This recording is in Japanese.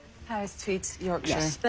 はい。